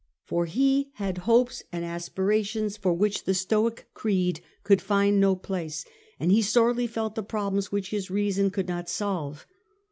For he had certain^ ^ hopes and aspirations for which the Stoic melancholy cj ged COuld find no place ; and he sorely felt the problems which his reason could not solve.